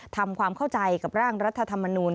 ทำความเข้าใจกับร่างรัฐธรรมนูล